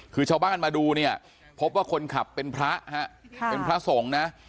คือชาวบ้านมาดูเนี่ยพบว่าคนขับเป็นพระฮะเป็นพระสงฆ์นะ